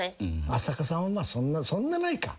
浅香さんはそんなないか？